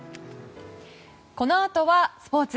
このあとはスポーツ。